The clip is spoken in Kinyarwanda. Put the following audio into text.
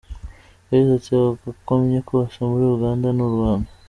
Yagize ati “Agakomye kose muri Uganda ni u Rwanda.